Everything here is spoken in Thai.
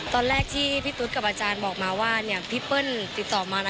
ตอนแรกที่พี่ตุ๊ดกับอาจารย์บอกมาว่าพี่เปิ้ลติดต่อมา